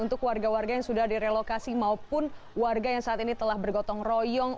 untuk warga warga yang sudah direlokasi maupun warga yang saat ini telah bergotong royong